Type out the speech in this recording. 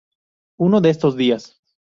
Uno de estos días.